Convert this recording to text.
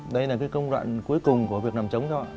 đây là cái công đoạn cuối cùng của việc làm trống chú ạ